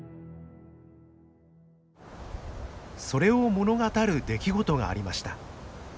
それを物語る出来事がありました。